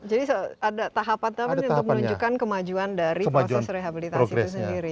jadi ada tahapan tahapan untuk menunjukkan kemajuan dari proses rehabilitasi itu sendiri